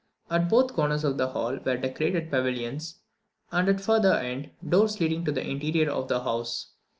At both corners of the hall were decorated pavilions, and at the further end, doors leading to the interior of the house.